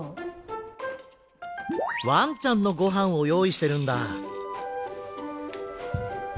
わんちゃんのごはんをよういしてるんだ。